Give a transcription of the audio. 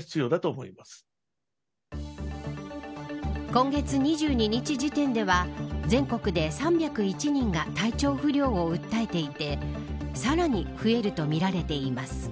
今月２２日時点では全国で３０１人が体調不良を訴えていてさらに増えるとみられています。